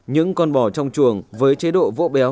những con bò trong chuồng với chế độ vỗ béo